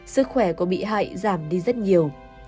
sức khỏe của bị hại giảm đi rất nhiều